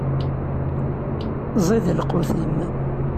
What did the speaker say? Ẓid lqut-im.